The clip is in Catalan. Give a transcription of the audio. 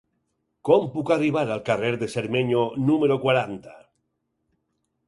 Com puc arribar al carrer de Cermeño número quaranta?